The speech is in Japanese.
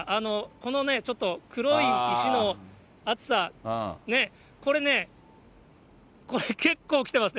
このね、ちょっと黒い石の熱さ、これね、これ、結構きてます。